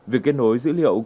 việc kết nối dữ liệu cũng mở